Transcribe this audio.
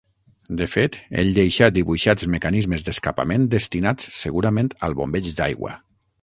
De fet ell deixà dibuixats mecanismes d'escapament destinats, segurament, al bombeig d'aigua.